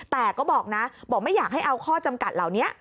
แต่ก็บอกนะบอกไม่อยากให้เอาข้อจำกัดเหล่านี้